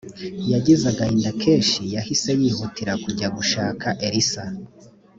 yagize agahinda kenshi yahise yihutira kujya gushaka elisa